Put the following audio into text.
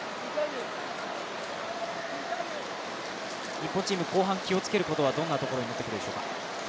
日本チーム、後半気をつけるところはどんなところになってくるでしょう。